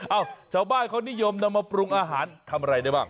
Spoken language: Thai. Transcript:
ชาวบ้านเขานิยมนำมาปรุงอาหารทำอะไรได้บ้าง